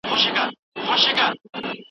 تکنالوژي د زده کړې په برخه کې ډېره مرسته کوي.